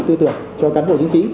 tư tưởng cho cán bộ chiến sĩ